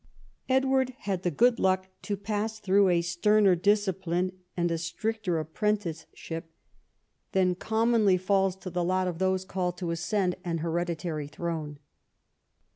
Edward had the good luck to pass through a sterner discipline and a stricter apprenticeship than commonly 66 EDWARD I chap. falls to the lot of those called to ascend an hereditary throne.